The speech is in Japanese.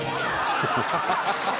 「ハハハハ！」